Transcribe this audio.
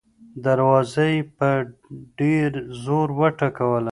دروازه يې په ډېر زور وټکوله.